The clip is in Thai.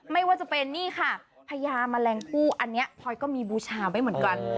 ไม่ว่าจะเป็นนี่ค่ะพญาแมลงผู้อันนี้พลอยก็มีบูชาไว้เหมือนกัน